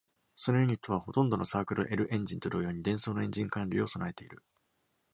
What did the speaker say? そのユニットは、ほとんどの Circle L エンジンと同様に、デンソーのエンジン管理を備えている。